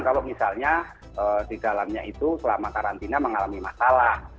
kalau misalnya di dalamnya itu selama karantina mengalami masalah